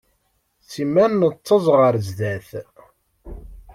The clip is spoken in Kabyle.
Simmal nettaẓ ɣer zdat.